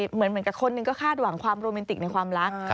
เหมือนกับคนหนึ่งก็คาดหวังความโรแมนติกในความรัก